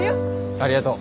ありがとう。